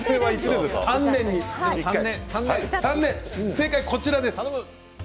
正解はこちらです。